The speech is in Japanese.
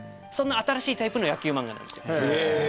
新しいタイプの野球漫画です。